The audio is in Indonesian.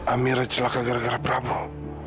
amirah celaka gara gara prabowo